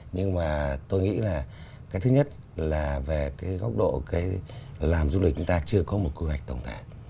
nhưng mà tôi nghĩ là cái thứ nhất là về cái góc độ cái làm du lịch chúng ta chưa có một quy hoạch tổng thể